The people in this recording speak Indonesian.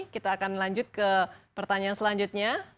kita akan lanjut ke pertanyaan selanjutnya